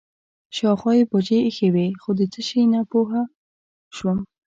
شاوخوا یې بوجۍ ایښې وې خو د څه شي نه پوه شوم.